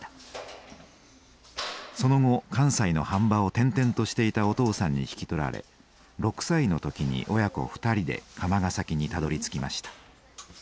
その後関西の飯場を転々としていたお父さんに引き取られ６歳の時に親子２人で釜ヶ崎にたどりつきました。